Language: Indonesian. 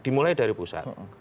dimulai dari pusat